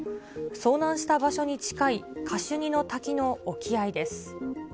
遭難した場所に近い、カシュニの滝の沖合です。